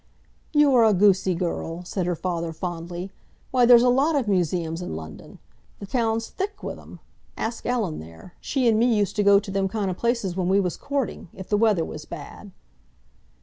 "You are a goosey girl!" said her father fondly. "Why, there's a lot of museums in London; the town's thick with 'em. Ask Ellen there. She and me used to go to them kind of places when we was courting—if the weather was bad."